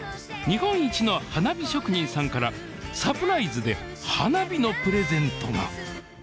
日本一の花火職人さんからサプライズで花火のプレゼントが！